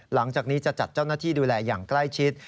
หลังจากนี้จะจัดเจ้าหน้าที่ดูแลอย่างใกล้ชิด